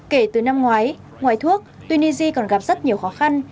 kể từ năm ngoái ngoài thuốc tunisia còn gặp rất nhiều khó khăn